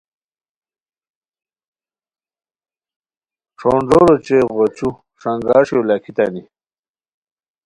ݯھونݮور اوچے غوچو ݰنگاݰیو لاکھیتانی